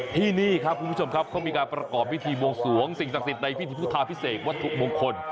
ที่นี่ครับคุณผู้ชมครับเขามีการประกอบพิธีบวงสวงสิ่งศักดิ์สิทธิ์ในพิธีพุทธาพิเศษวัตถุมงคล